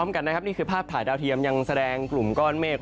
กันนะครับนี่คือภาพถ่ายดาวเทียมยังแสดงกลุ่มก้อนเมฆ